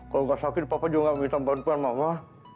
kalau nggak sakit papa juga nggak minta bantuan mama